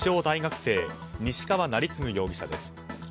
大学生西川成次容疑者です。